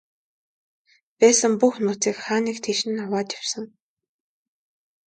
Байсан бүх нөөцийг хаа нэг тийш нь аваад явсан.